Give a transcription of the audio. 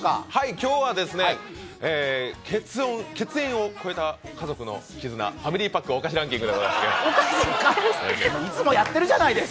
今日は血縁を超えた家族の絆、ファミリーパックのお菓子ランキングです。